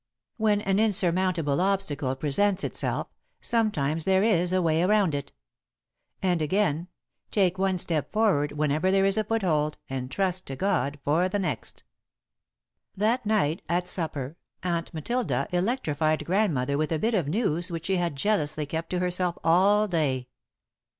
"When an insurmountable obstacle presents itself, sometimes there is a way around it." And, again, "Take one step forward whenever there is a foothold and trust to God for the next." [Sidenote: A Bit of News] That night, at supper, Aunt Matilda electrified Grandmother with a bit of news which she had jealously kept to herself all day.